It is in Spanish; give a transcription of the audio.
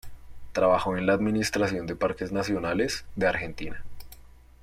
Trabajó en la Administración de Parques Nacionales, de Argentina.